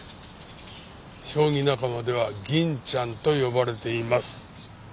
将棋仲間には銀ちゃんと呼ばれています。